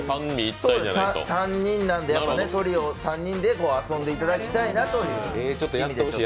３人なんで、トリオ３人で遊んでいただきたいなという意味で。